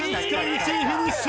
１位フィニッシュ！